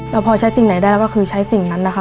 แล้วพอใช้สิ่งไหนได้แล้วก็คือใช้สิ่งนั้นนะคะ